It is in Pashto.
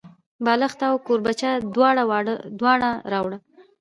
بالښت او کوربچه دواړه راوړه.